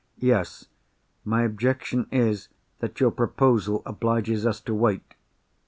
"Yes. My objection is, that your proposal obliges us to wait."